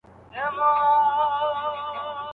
استاد د څېړني په برخه کي ډېري لاسته راوړنې لري.